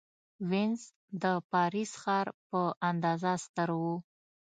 وینز د پاریس ښار په اندازه ستر و.